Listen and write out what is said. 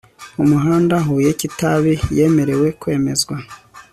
umuhanda huye kitabi yemerewe kwemezwa